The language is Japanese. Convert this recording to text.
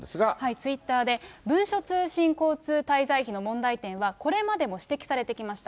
ツイッターで、文書通信交通滞在費の問題点は、これまでの指摘されてきました。